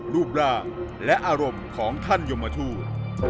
รูปร่างและอารมณ์ของท่านยมทูต